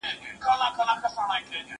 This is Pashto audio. سینه سپينه کړه؟!